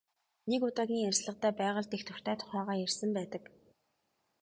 Нэг удаагийн ярилцлагадаа байгальд их дуртай тухайгаа ярьсан байдаг.